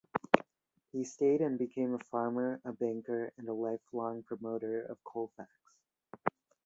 He stayed and became a farmer, a banker, and a lifelong promoter of Colfax.